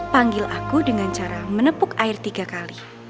panggil aku dengan cara menepuk air tiga kali